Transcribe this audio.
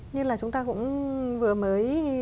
như là chúng ta cũng vừa mới